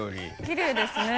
きれいですね。